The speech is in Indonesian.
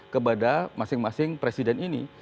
kepada masing masing presiden ini